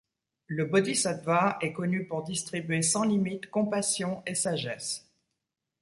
Le bodhisattva est connu pour distribuer sans limite compassion et sagesse.